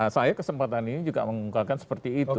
saya kesempatan ini juga mengungkapkan seperti itu